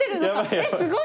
えっすごい！